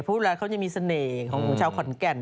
พวกเราเขาจะมีเสน่ห์ของชาวข่อนแก่น